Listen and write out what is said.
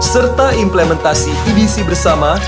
serta implementasi ebc bersama